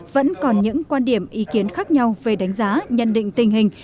vẫn còn những quan điểm ý kiến khác nhau về đánh giá nhận định tình hình